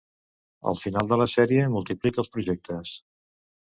Al final de la sèrie, multiplica els projectes.